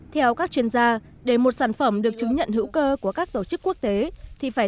theo các chuyên gia để một sản phẩm được chứng nhận hữu cơ của các tổ chức quốc tế thì phải